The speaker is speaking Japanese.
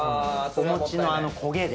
おもちのあの焦げで。